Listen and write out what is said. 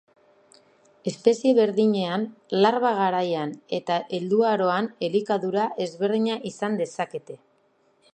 Espezie berdinean larba garaian eta helduaroan elikadura ezberdina izan dezakete.